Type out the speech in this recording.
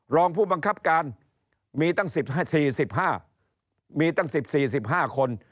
รองผู้บังคับการมีตั้ง๑๔๑๕มีตั้ง๑๔๑๕คน